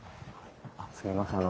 すみません。